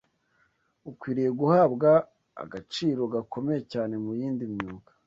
Ukwiriye guhabwa agaciro gakomeye cyane mu yindi myuga